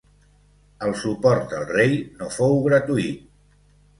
El suport al Rei no fou gratuït.